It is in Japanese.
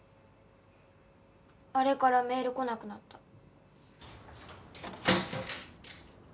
あれからメール来なくなった。